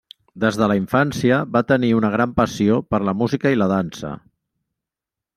Des de la infància va tenir una gran passió per la música i la dansa.